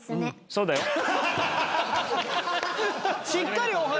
そうだね。